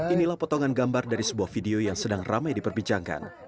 inilah potongan gambar dari sebuah video yang sedang ramai diperbincangkan